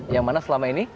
yang mana selama ini